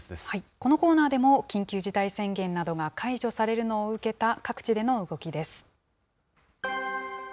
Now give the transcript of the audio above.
このコーナーでも緊急事態宣言などが解除されるのを受けた各地での動きです。